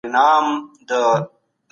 موږ باید د بې وزلو خلګو لاسنیوی وکړو.